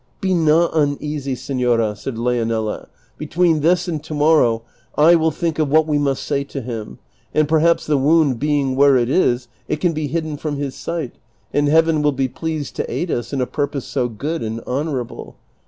" Be not uneasy, senora," said Leonela; "between this and to morrow I will think of what we must say to him, and perhaps the wound being where it is it can be hidden from his sight, and Heaven will be pleased to aid us in a purpose so good and honorable.